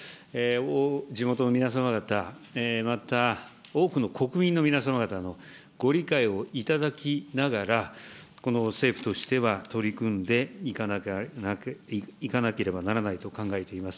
地元の皆様方、また多くの国民の皆様方のご理解をいただきながら、この政府としては、取り組んでいかなければならないと考えています。